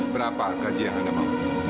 berapa gaji yang anda mau